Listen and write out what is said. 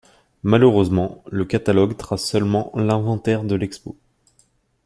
Malheureusement, le catalogue trace seulement l'inventaire de l'expo.